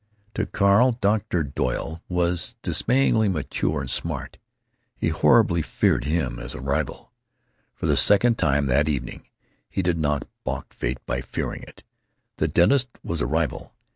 To Carl Dr. Doyle was dismayingly mature and smart. He horribly feared him as a rival. For the second time that evening he did not balk fate by fearing it. The dentist was a rival.